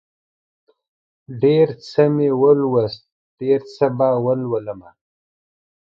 ډېر څه مې ولوست، ډېر څه به ولولمه